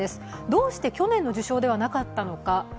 どうして去年の受賞ではなかったのか。